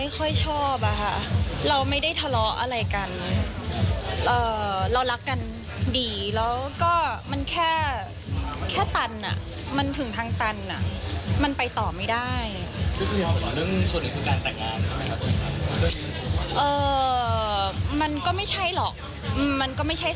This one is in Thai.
ค่ะบางช่วงบางตอนไปฟังกันค่ะ